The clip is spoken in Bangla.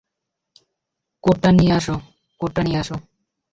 কোটটা নিয়ে আসো, কোটটা নিয়ে আসো।